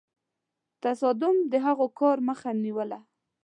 تصادم د هغوی کار مخه نیوله.